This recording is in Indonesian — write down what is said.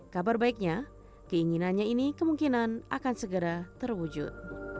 kabar baiknya keinginannya ini kemungkinan akan segera terwujud